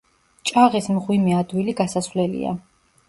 ჭაღის მღვიმე ადვილი გასასვლელია.